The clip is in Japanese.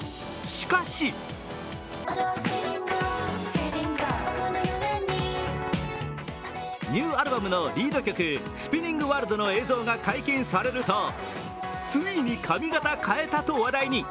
しかしニューアルバムのリード曲「ＳｐｉｎｎｉｎｇＷｏｒｌｄ」の映像が解禁されると、ついに髪形変えたと話題に。